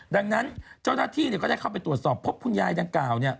ดังนั้นเจ้าหน้าที่ก็ได้เข้าไปตรวจสอบพบคุณยายดังกล่าว